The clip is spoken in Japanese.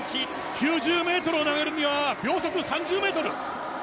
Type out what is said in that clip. ９０ｍを投げるには秒速３０メートル！